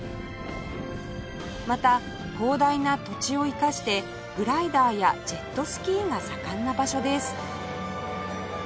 また広大な土地を生かしてグライダーやジェットスキーが盛んな場所です